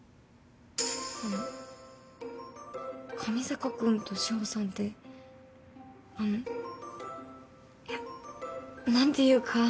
あの上坂君と志保さんってあのいやなんていうか。